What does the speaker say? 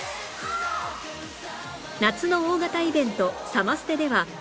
夏の大型イベントサマステでは